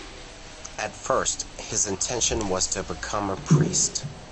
At first, his intention was to become a priest.